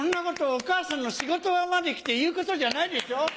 お母さんの仕事場まで来て言うことじゃないでしょう。